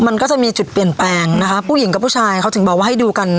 มันก็จะมีจุดเปลี่ยนแปลงนะคะผู้หญิงกับผู้ชายเขาถึงบอกว่าให้ดูกัน